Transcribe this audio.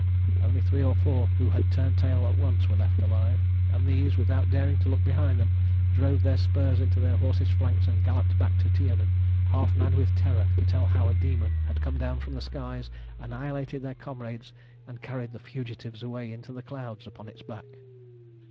Only three or four who had turned tail at once were left alive; and these, without daring to look behind them, drove their spurs into their horses' flanks and galloped back to Tiumen, half mad with terror, to tell how a demon had come down from the skies, annihilated their comrades, and carried the fugitives away into the clouds upon its back.